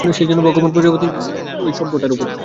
সেইজন্যে ভগবান প্রজাপতির বিশেষ ঝোঁক ঐ সভাটার উপরেই।